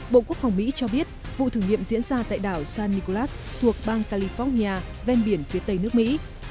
bộ quốc phòng mỹ cho biết vụ thử nghiệm diễn ra tại đảo saniglas thuộc bang california ven biển phía tây nước mỹ